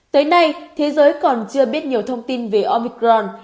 tới nay thế giới còn chưa biết nhiều thông tin về omicron